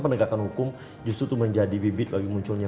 penegakan hukum justru itu menjadi bibit bagi munculnya